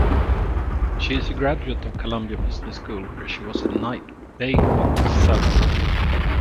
She is a graduate of Columbia Business School where she was a Knight-Bagehot Fellow.